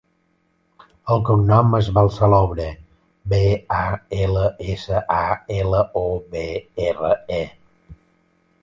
El cognom és Balsalobre: be, a, ela, essa, a, ela, o, be, erra, e.